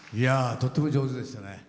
とっても上手でしたね。